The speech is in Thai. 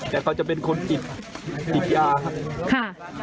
แต่เขาจะเป็นคนติดยาครับ